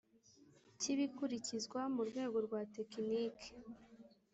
Cy ibikurikizwa mu rwego rwa tekiniki